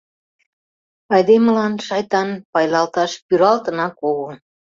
Айдемылан, шайтан, пайлалташ пӱралтынак огыл.